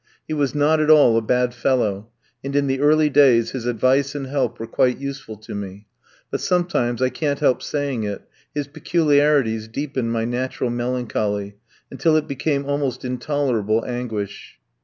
He was not at all a bad fellow, and in the early days his advice and help were quite useful to me; but sometimes, I can't help saying it, his peculiarities deepened my natural melancholy until it became almost intolerable anguish.